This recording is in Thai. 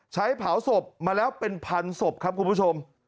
เผาศพมาแล้วเป็นพันศพครับคุณผู้ชม